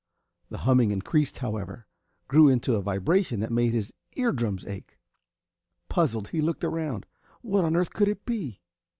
The humming increased, however grew into a vibration that made his eardrums ache. Puzzled, he looked around. What on earth could it be?